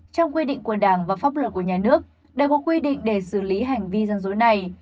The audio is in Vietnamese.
trong quy định của đảng và pháp luật của nhà nước đều có quy định để xử lý hành vi dân rối này